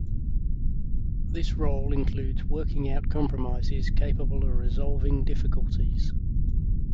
This role includes working out compromises capable of resolving difficulties.